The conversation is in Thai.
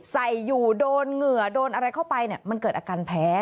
ใส่อยู่โดนเหงื่อโดนอะไรเข้าไปเนี่ยมันเกิดอาการแพ้